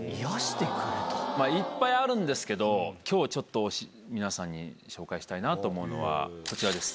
いっぱいあるんですけど今日ちょっと皆さんに紹介したいなと思うのはこちらです